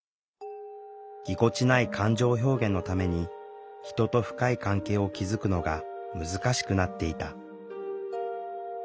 ぎこちない感情表現のために人と深い関係を築くのが難しくなっていた。